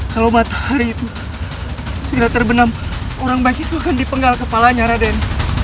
kalau matahari itu sudah terbenam orang baik itu kan dipenggal kepalanya raden